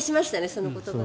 その言葉を。